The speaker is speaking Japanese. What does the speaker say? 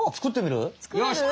よし！